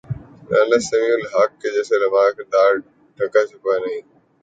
اس میں مولانا سمیع الحق جیسے علماء کا کردار ڈھکا چھپا نہیں۔